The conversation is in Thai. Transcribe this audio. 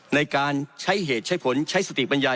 ในการใช้เหตุใช้ผลใช้สติปัญญา